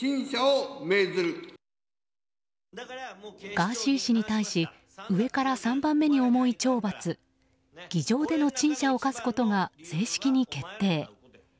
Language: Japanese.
ガーシー氏に対し上から３番目に重い懲罰議場での陳謝を科すことが正式に決定。